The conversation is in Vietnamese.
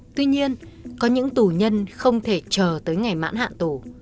tuy nhiên có những tù nhân không thể chờ tới ngày mãn hạn tù